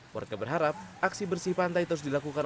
warga berharap aksi bersih pantai terus dilakukan